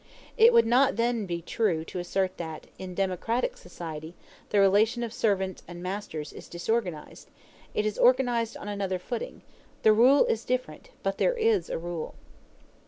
It would not then be true to assert that, in democratic society, the relation of servants and masters is disorganized: it is organized on another footing; the rule is different, but there is a rule.